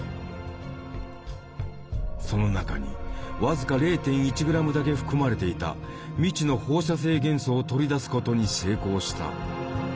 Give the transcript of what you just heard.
その中に僅か０．１グラムだけ含まれていた未知の放射性元素を取り出すことに成功した。